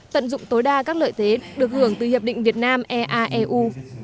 tận dụng tối đa các lợi thế được hưởng từ hiệp định việt nam eaeu